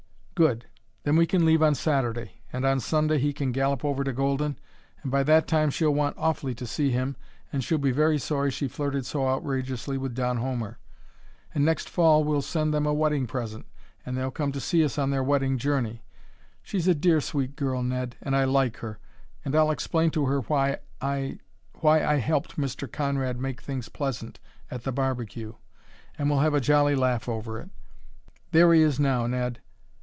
"Good! Then we can leave on Saturday, and on Sunday he can gallop over to Golden, and by that time she'll want awfully to see him and she'll be very sorry she flirted so outrageously with Don Homer. And next Fall we'll send them a wedding present, and they'll come to see us on their wedding journey, she's a dear, sweet girl, Ned, and I like her, and I'll explain to her why I why I helped Mr. Conrad make things pleasant at the barbecue, and we'll have a jolly laugh over it. There he is now, Ned!